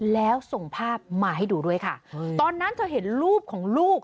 แล้วส่งภาพมาให้ดูด้วยค่ะตอนนั้นเธอเห็นรูปของลูก